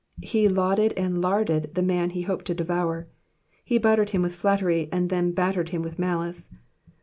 ''^ He lauded and larded the man he hoped to devour. He buttered him with flattery and then battered him with malice.